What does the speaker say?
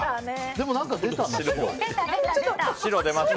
でも何か出たね。